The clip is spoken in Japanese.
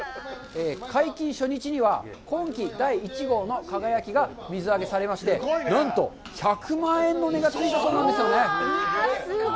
解禁初日には、今季第１号の輝が水揚げされまして、何と１００万円の値がついちゃったんですよね。